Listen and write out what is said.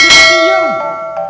dia udah diem